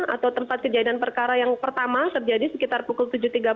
atau tempat kejadian perkara yang pertama terjadi sekitar pukul tujuh tiga puluh